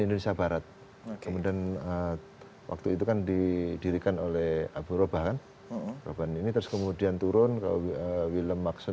indonesia barat kemudian waktu itu kan didirikan oleh abu rubah kan kemudian turun ke wilhelm maksun